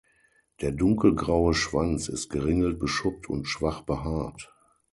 Der dunkelgraue Schwanz ist geringelt beschuppt und schwach behaart.